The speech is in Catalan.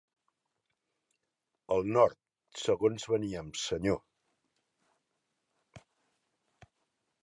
Al Nord segons veníem, senyor.